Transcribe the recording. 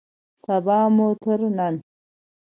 سبا مو تر نن